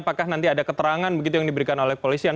apakah nanti ada keterangan begitu yang diberikan oleh polisian